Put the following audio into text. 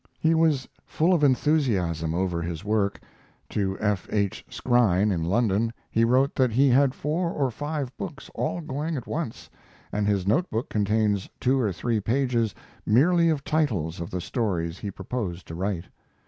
He was full of enthusiasm over his work. To F. H. Skrine, in London, he wrote that he had four or five books all going at once, and his note book contains two or three pages merely of titles of the stories he proposed to write.